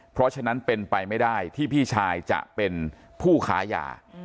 เพราะฉะนั้นเป็นไปไม่ได้ที่พี่ชายจะเป็นผู้ค้ายา